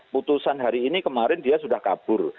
putusan hari ini kemarin dia sudah kabur